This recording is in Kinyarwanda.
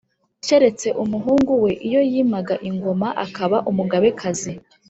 keretse umuhungu we iyo yimaga ingoma, akaba Umugabekazi.